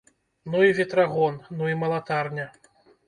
Ну і ветрагон, ну і малатарня!